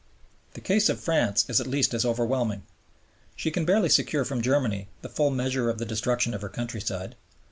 The case of France is at least as overwhelming. She can barely secure from Germany the full measure of the destruction of her countryside.